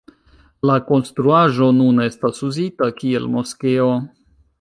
La konstruaĵo nun estas uzita kiel moskeo.